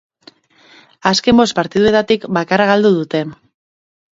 Azken bost partidetatik bakarra galdu dute.